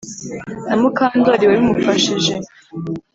Na Mukandoli wabimufashije